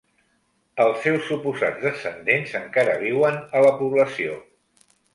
Els seus suposats descendents encara viuen a la població.